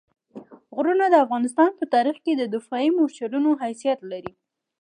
غرونه د افغانستان په تاریخ کې د دفاعي مورچلونو حیثیت لري.